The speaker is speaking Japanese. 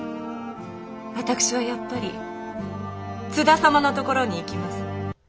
私はやっぱり津田様のところに行きます。